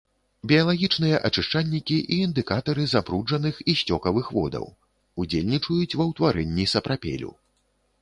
Біялагічныя ачышчальнікі і індыкатары забруджаных і сцёкавых водаў, удзельнічаюць ва ўтварэнні сапрапелю.